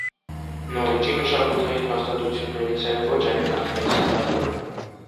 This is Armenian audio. Նորիջի մշակութային հաստատություններից է ոչ այնքան մեծ թատրոնը։